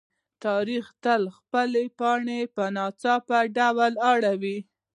تاریخ تل خپلې پاڼې په ناڅاپي ډول اړوي.